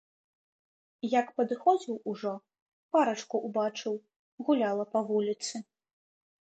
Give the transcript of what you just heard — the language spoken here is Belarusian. Як падыходзіў ужо, парачку ўбачыў, гуляла па вуліцы.